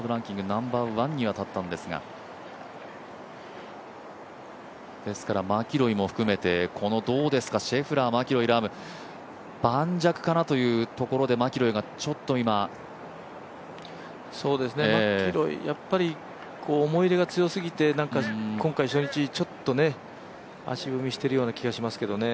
ナンバーワンには立ったんですがですからマキロイも含めてこのシェフラー、マキロイ、ラーム盤石かなというところで、マキロイが、ちょっと今マキロイ、やっぱり思い入れが強すぎてなんか今回初日ちょっと足踏みしているような気がしますけどね。